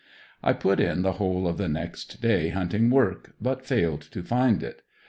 I put in the whole of the next day hunting work, but failed to find it.